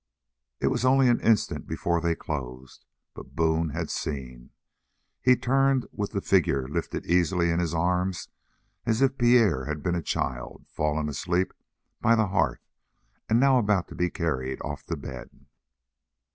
It was only an instant before they closed, but Boone had seen. He turned with the figure lifted easily in his arms as if Pierre had been a child fallen asleep by the hearth and now about to be carried off to bed.